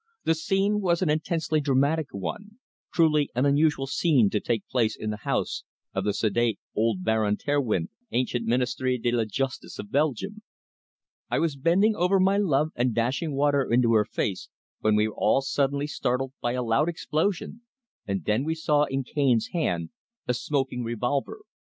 The scene was an intensely dramatic one truly an unusual scene to take place in the house of the sedate old Baron Terwindt, ancient Ministre de la Justice of Belgium. I was bending over my love and dashing water into her face when we were all suddenly startled by a loud explosion, and then we saw in Cane's hand a smoking revolver.